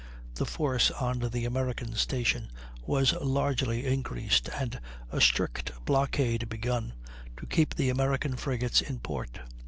The force on the American station was largely increased, and a strict blockade begun, to keep the American frigates in port.